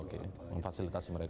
oke memfasilitasi mereka